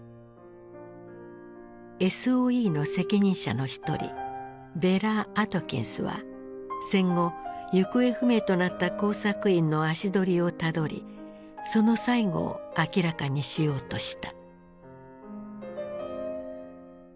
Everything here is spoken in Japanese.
ＳＯＥの責任者の一人ヴェラ・アトキンスは戦後行方不明となった工作員の足取りをたどりその最期を明らかにしようとした。